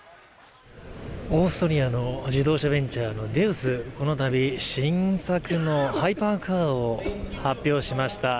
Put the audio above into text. オーストリアの自動車ベンチャーのデウスこの度新作のハイパーカーを発表しました